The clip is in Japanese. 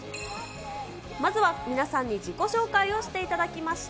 まずは皆さんに自己紹介をしていただきました。